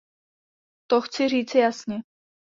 To chci říci jasně.